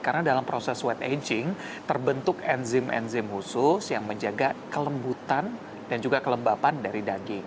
karena dalam proses wet aging terbentuk enzim enzim khusus yang menjaga kelembutan dan juga kelembapan dari daging